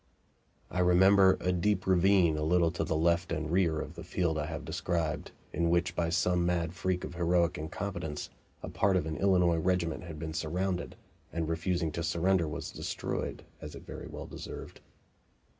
I remember a deep ravine a little to the left and rear of the field I have described, in which, by some mad freak of heroic incompetence, a part of an Illinois regiment had been surrounded, and refusing to surrender was destroyed, as it very well deserved.